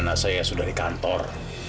anak saya sudah di kantor